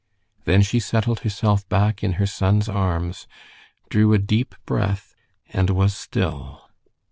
Then she settled herself back in her son's arms, drew a deep breath, and was still.